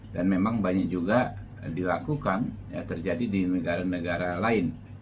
dan memang banyak juga dilakukan ya terjadi di negara negara lain